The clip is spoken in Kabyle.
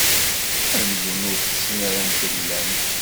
Amzun ur tessin ara amek llant.